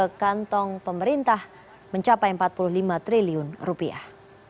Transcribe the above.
ke kantong pemerintah mencapai empat puluh lima triliun rupiah